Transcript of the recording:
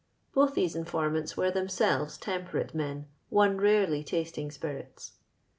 Both these informants were themselves temperate men, one rarely tasting spirits.